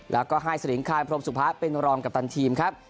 แล้วก็ให้สระหนะคาแมงพรมสุภาเป็นรองกัปตันทีมครับ